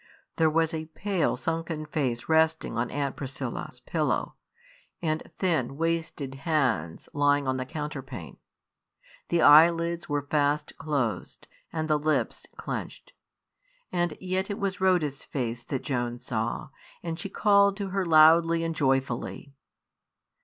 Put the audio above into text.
There was a pale, sunken face resting on Aunt Priscilla's pillow, and thin, wasted hands lying on the counterpane. The eyelids were fast closed, and the lips clenched. And yet it was Rhoda's face that Joan saw, and she called to her loudly and joyfully.